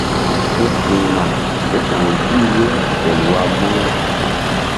Ke firma ké ta̧w zih ye Elwa munu.